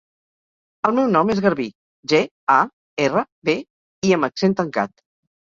El meu nom és Garbí: ge, a, erra, be, i amb accent tancat.